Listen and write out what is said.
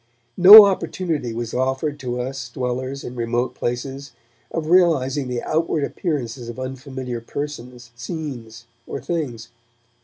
No opportunity was offered to us dwellers in remote places of realizing the outward appearances of unfamiliar persons, scenes or things.